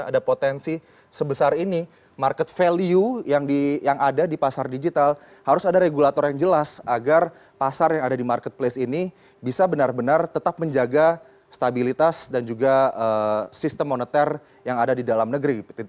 ada potensi sebesar ini market value yang ada di pasar digital harus ada regulator yang jelas agar pasar yang ada di marketplace ini bisa benar benar tetap menjaga stabilitas dan juga sistem moneter yang ada di dalam negeri